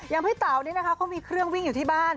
พี่เต๋านี่นะคะเขามีเครื่องวิ่งอยู่ที่บ้าน